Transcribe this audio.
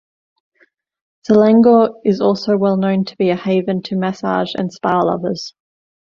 Selangor is also well known to be a haven to massage and spa lovers.